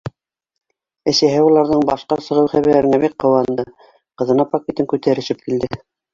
Әсәһе уларҙың башҡа сығыу хәбәренә бик ҡыуанды, ҡыҙына пакетен күтәрешеп килде.